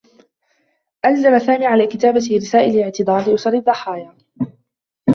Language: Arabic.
أُلزِم سامي على كتابة رسائل اعتذار لأسر الضّحايا.